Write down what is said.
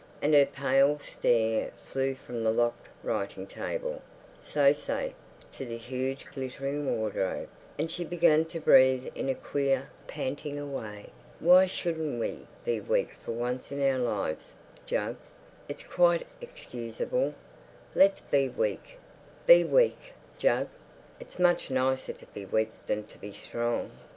And her pale stare flew from the locked writing table—so safe—to the huge glittering wardrobe, and she began to breathe in a queer, panting away. "Why shouldn't we be weak for once in our lives, Jug? It's quite excusable. Let's be weak—be weak, Jug. It's much nicer to be weak than to be strong."